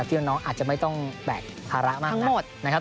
ที่น้องน้องอาจจะไม่ต้องแบ่งธาระมากทั้งหมด